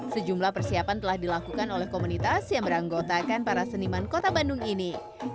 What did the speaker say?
sejumlah persiapan telah dilakukan oleh komunitas yang beranggotakan para seniman kota bandung ini